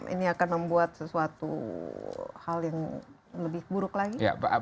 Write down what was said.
ini akan membuat sesuatu hal yang lebih buruk lagi